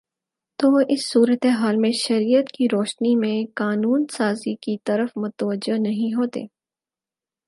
تو وہ اس صورتِ حال میں شریعت کی روشنی میں قانون سازی کی طرف متوجہ نہیں ہوتے